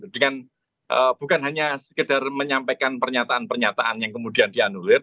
dengan bukan hanya sekedar menyampaikan pernyataan pernyataan yang kemudian dianulir